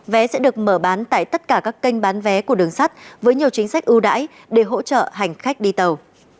vé sẽ được mở bán tại tất cả các kênh bán vé của đường sắt với nhiều chính sách ưu đãi để hỗ trợ hành khách đi tàu